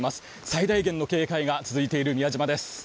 最大限の警戒が続いている宮島です。